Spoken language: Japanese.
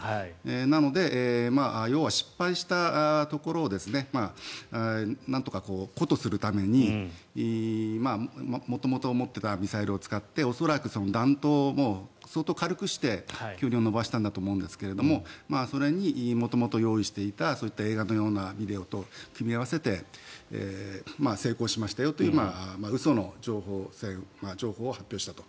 なので、要は失敗したところをなんとか糊塗するために元々持っていたミサイルを使って恐らく、弾頭も相当軽くして距離を伸ばしたんだと思うんですがそれに元々、用意していた映画のようなビデオと組み合わせて成功しましたよという嘘の情報を発表したと。